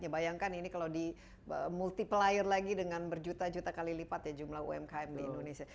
bayangkan ini kalau dimultiplier lagi dengan berjuta juta kali lipat jumlah umkm di indonesia